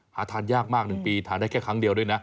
หาทานยากมาก๑ปีทานได้แค่ครั้งเดียวด้วยนะ